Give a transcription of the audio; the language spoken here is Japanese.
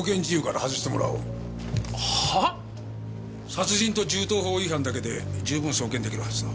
殺人と銃刀法違反だけで十分送検できるはずだ。